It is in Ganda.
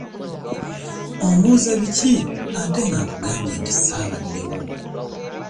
Ombuuza biki ate nga nkugambye nti ssaabaddewo?